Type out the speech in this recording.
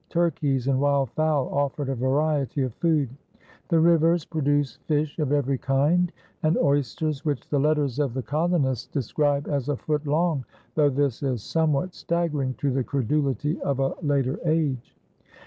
Turkeys and wild fowl offered a variety of food. The rivers produced fish of every kind and oysters which the letters of the colonists describe as a foot long, though this is somewhat staggering to the credulity of a later age.